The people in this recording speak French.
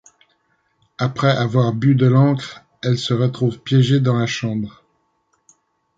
Après avoir bu de l'encre, elle se retrouve piégée dans la chambre.